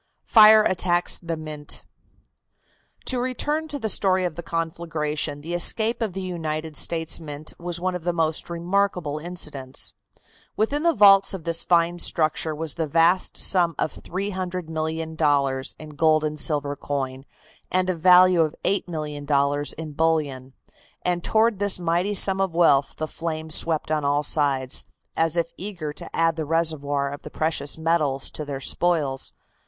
FIRE ATTACKS THE MINT. To return to the story of the conflagration, the escape of the United States Mint was one of the most remarkable incidents. Within the vaults of this fine structure was the vast sum of $300,000,000 in gold and silver coin and a value of $8,000,000 in bullion, and toward this mighty sum of wealth the flames swept on all sides, as if eager to add the reservoir of the precious metals to their spoils.